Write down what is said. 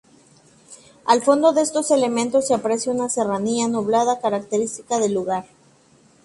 Al fondo de estos elementos se aprecia una serranía nublada característica del lugar.